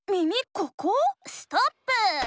ここ⁉ストップー！